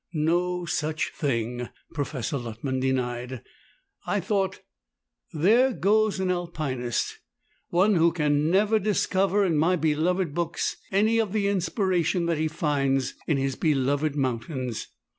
"No such thing!" Professor Luttman denied. "I thought, 'There goes an Alpinist, one who can never discover in my beloved books any of the inspiration that he finds in his beloved mountains.